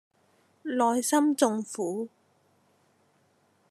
內心縱苦